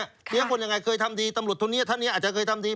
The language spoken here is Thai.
เสียคนยังไงเคยทำดีตำรวจคนนี้ท่านนี้อาจจะเคยทำดี